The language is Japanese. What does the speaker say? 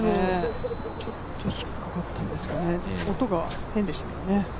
ちょっと引っかかったんですかね、音が変でしたね。